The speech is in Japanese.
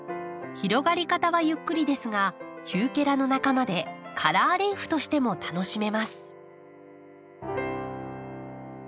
広がり方はゆっくりですがヒューケラの仲間でカラーリーフとしても楽しめます。